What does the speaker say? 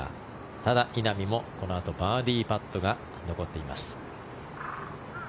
ただ、稲見もこのあとバーディーパットが残っています。